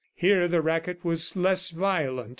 Here the racket was less violent.